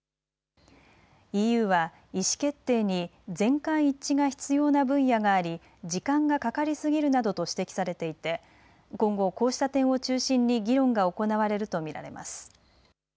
ＥＵは意思決定に全会一致が必要な分野があり、時間がかかりすぎるなどと指摘されていて今後、こうした点を中心に議論が行われると見られます。